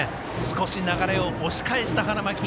少し流れを押し返した花巻東。